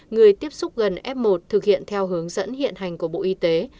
người tiếp xúc gần f một thực hiện theo hướng dẫn hiện hành của bộ y tế